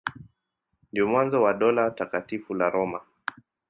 Ndio mwanzo wa Dola Takatifu la Roma.